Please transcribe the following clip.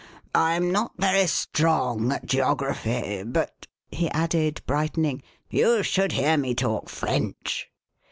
I'm not very strong at geography, but," he added, brightening, you should hear me talk French."